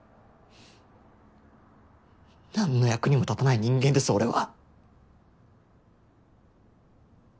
何の役にも立たない人間です俺は。